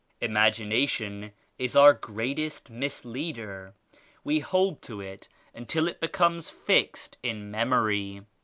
Imagination is our greatest misleader. We hold to it until it becomes fixed in memory.